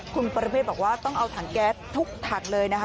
คุณปรเมฆบอกว่าต้องเอาถังแก๊สทุกถังเลยนะคะ